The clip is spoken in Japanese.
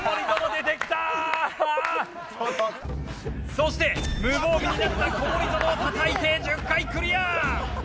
そして無防備になった小森園を叩いて１０回クリア！